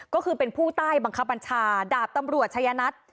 ก็คือเป็นผู้ใต้บังคับบัญชาดาบตำรวจชายนัท